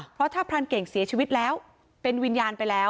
เพราะถ้าพรานเก่งเสียชีวิตแล้วเป็นวิญญาณไปแล้ว